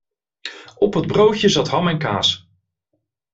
Op het broodje zat ham en kaas.